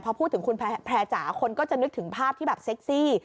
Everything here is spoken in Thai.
พอพูดถึงคุณแพร่จ๋าคนก็จะนึกถึงภาพที่แบบเซ็กซี่